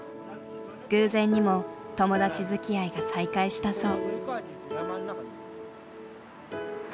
偶然にも友達づきあいが再開したそう。